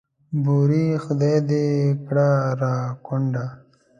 بورې خدای دې کړه را کونډه.